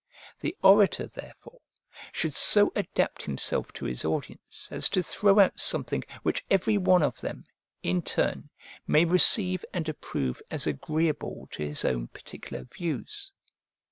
The orator, therefore, should so adapt himself to his audience as to throw out something which every one of them, in turn, may receive and approve as agreeable to his own particular views.